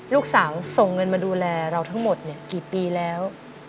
ลูกสาวส่งเงินมาดูแลเราทั้งหมดเนี่ยกี่ปีแล้ว